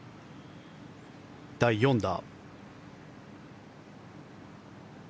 第４打。